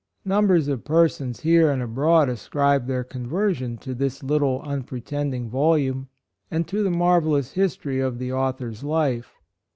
Numbers of persons here and abroad ascribe their conversion to this little unpretending volume, and to the marvellous history of the author's life.